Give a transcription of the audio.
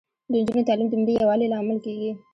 د نجونو تعلیم د ملي یووالي لامل کیږي.